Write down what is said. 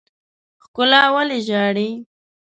ښکلا ولې ژاړي.